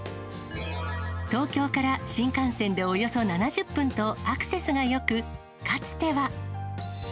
東京から新幹線でおよそ７０分とアクセスがよく、かつては。